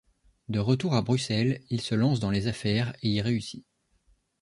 De retour à Bruxelles, il se lance dans les affaires et y réussit.